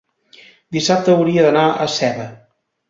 dissabte hauria d'anar a Seva.